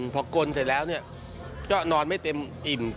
พอกลเสร็จแล้วก็นอนไม่เต็มอิ่ม